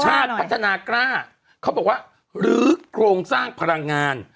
ชาติพัฒนากล้าเขาบอกว่าหรือโครงสร้างพลังงาน